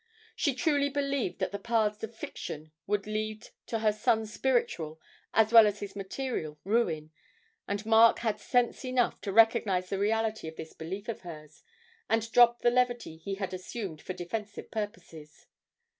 She truly believed that the paths of fiction would lead to her son's spiritual as well as his material ruin, and Mark had sense enough to recognise the reality of this belief of hers, and drop the levity he had assumed for defensive purposes.